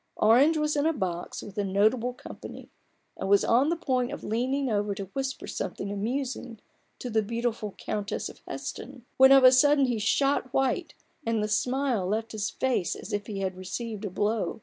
Orange was in a box with a notable company, and was on the point of leaning over to whisper something amusing to the beautiful Countess of Heston, when of a sudden he shot white, and the smile left his face as if he had received a blow.